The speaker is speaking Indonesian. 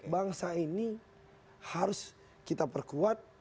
bangsa ini harus kita perkuat